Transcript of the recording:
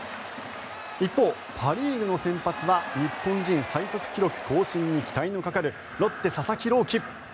一方、パ・リーグの先発は日本人最速記録更新に期待のかかるロッテ、佐々木朗希。